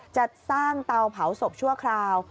จะสร้างเตาเผาศพชั่วคราว